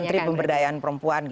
untuk menteri pemberdayaan perempuan